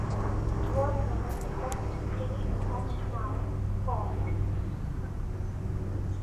It was one of the first three such towns formed.